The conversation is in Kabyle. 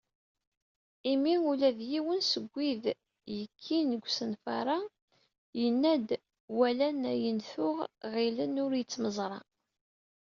Imi ula d yiwen seg wid yekkin deg usenfar-a yenna-d walan ayen tuɣ ɣilen ur yettmeẓra.